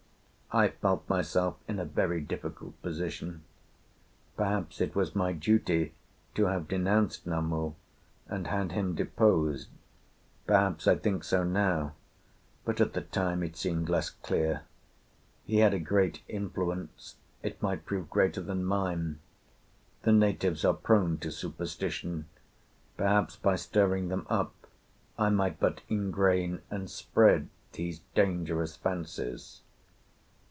"I felt myself in a very difficult position. Perhaps it was my duty to have denounced Namu and had him deposed. Perhaps I think so now, but at the time it seemed less clear. He had a great influence, it might prove greater than mine. The natives are prone to superstition; perhaps by stirring them up I might but ingrain and spread these dangerous fancies.